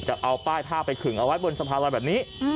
จะเอาป้ายผ้าไปขึงเอาไว้บนสะพานลอยแบบนี้